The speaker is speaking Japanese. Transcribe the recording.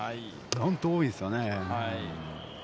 本当多いですよね。